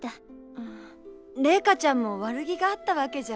あレイカちゃんも悪気があったわけじゃ。